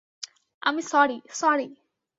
আমি sorry, sorry.